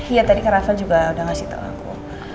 iya tadi ke rafael juga sudah memberitahu aku